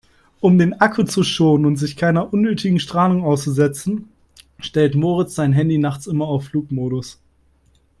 Um den Akku zu schonen und sich keiner unnötigen Strahlung auszusetzen, stellt Moritz sein Handy nachts immer auf Flugmodus.